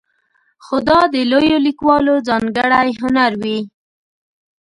خو دا د لویو لیکوالو ځانګړی هنر وي.